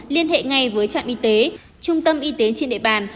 liên hệ ngay với trạm y tế trung tâm y tế trên địa bàn